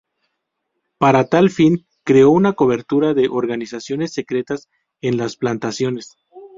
Para tal fin, creo una cobertura de organizaciones secretas en las plantaciones.